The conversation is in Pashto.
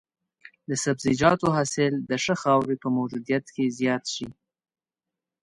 د سبزیجاتو حاصل د ښه خاورې په موجودیت کې زیات شي.